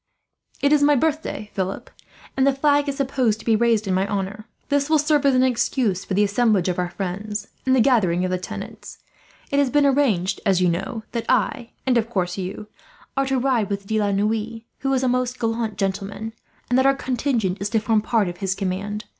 "It is my birthday, Philip, and the flag is supposed to be raised in my honour. This will serve as an excuse for the assemblage of our friends, and the gathering of the tenants. It has been arranged, as you know, that I, and of course you, are to ride with De la Noue, who is a most gallant gentleman; and that our contingent is to form part of his command.